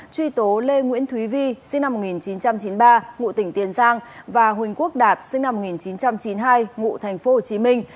truy tố lê nguyễn thúy vi sinh năm một nghìn chín trăm chín mươi ba ngụ tỉnh tiền giang và huỳnh quốc đạt sinh năm một nghìn chín trăm chín mươi hai ngụ thành phố hồ chí minh